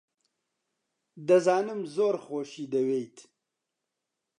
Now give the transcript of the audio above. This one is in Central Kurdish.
دەزانم زۆر خۆشی دەوێیت.